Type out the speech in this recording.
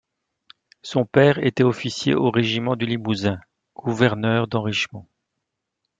Son père était officier au régiment du Limousin, gouverneur d'Henrichemont.